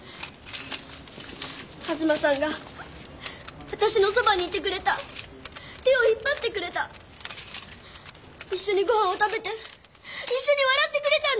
東さんが私のそばにいてくれた手を引っ張ってくれた一緒にごはんを食べて一緒に笑ってくれたんです